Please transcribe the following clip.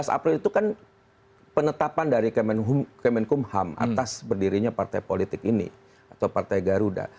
tujuh belas april itu kan penetapan dari kemenkumham atas berdirinya partai politik ini atau partai garuda